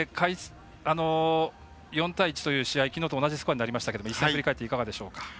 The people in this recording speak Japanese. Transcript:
４対１という試合きのうと同じスコアですが振り返っていかがでしょうか。